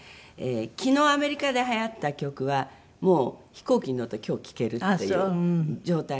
昨日アメリカではやった曲はもう飛行機に乗ると今日聴けるという状態で。